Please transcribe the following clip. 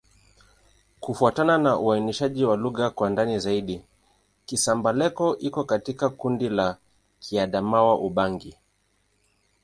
Kufuatana na uainishaji wa lugha kwa ndani zaidi, Kisamba-Leko iko katika kundi la Kiadamawa-Ubangi.